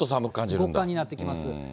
極寒になってきます。